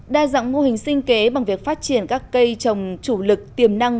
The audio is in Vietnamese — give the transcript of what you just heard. đa dạng mô hình sinh kế bằng việc phát triển các cây trồng chủ lực tiềm năng